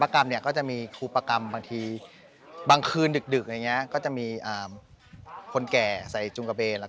ปรากฏว่าช้างอยู่ตรงนั้นจริงจริงอ๋อเหรอใช่